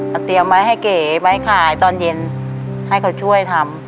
เอาเตรียมไว้ให้เก๋ไว้ขายตอนเย็นให้เขาช่วยทำ